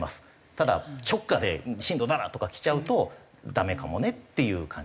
ただ直下で震度７とかきちゃうとダメかもねっていう感じですね。